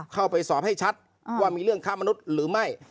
เข้าไปสอบให้ชัดว่ามีเรื่องค้ามนุษย์หรือไม่